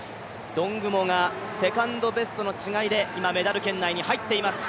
ドングモがセカンドベストの違いで今、メダル圏内に入っています。